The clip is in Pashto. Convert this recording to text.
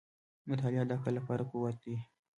• مطالعه د عقل لپاره قوت دی.